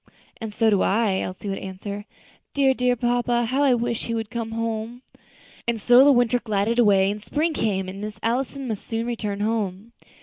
"And so do I," Elsie would answer; "dear, dear papa, how I wish he would come home!" And so the winter glided away, and spring came, and Miss Allison must soon return home.